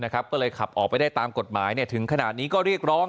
ก็เลยขับออกไปได้ตามกฎหมายถึงขนาดนี้ก็เรียกร้อง